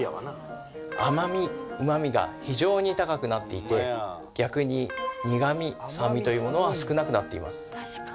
甘味うま味が非常に高くなっていて逆に苦味酸味というものは少なくなっています